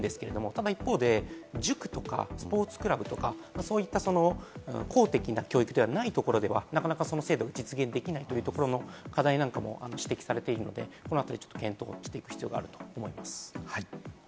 ただ一方で、塾とかスポーツクラブとか、そういった公的な教育ではないところではなかなかその制度を実現できないというところの課題なんかも指摘されているので、この後検討していく必要があると思います。